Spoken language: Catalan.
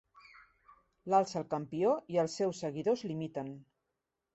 L'alça el campió i els seus seguidors l'imiten.